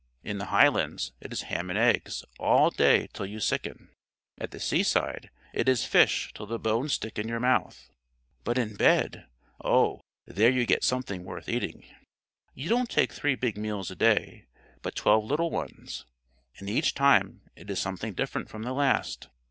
In the highlands it is ham and eggs all day till you sicken. At the seaside it is fish till the bones stick in your mouth. But in bed oh, there you get something worth eating. You don't take three big meals a day, but twelve little ones, and each time it is something different from the last.